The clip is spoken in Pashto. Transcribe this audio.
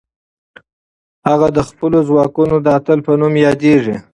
هغه د خپلو ځواکونو د اتل په نوم یادېږي.